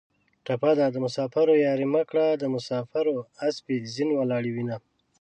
ټپه ده: د مسافرو یارۍ مه کړئ د مسافرو اسپې زین ولاړې وینه